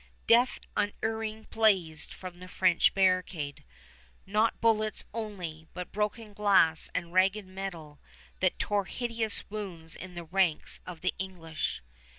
Death unerring blazed from the French barricade, not bullets only, but broken glass and ragged metal that tore hideous wounds in the ranks of the English.